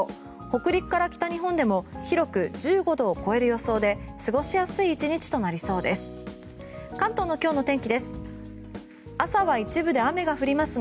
北陸から北日本でも広く１５度を超える予想で過ごしやすい１日となりそうです。